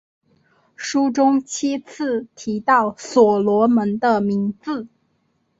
书中七次提到所罗门的名字。